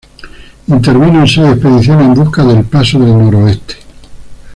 Intervino en seis expediciones en busca del Paso del Noroeste.